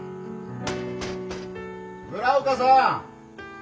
・村岡さん！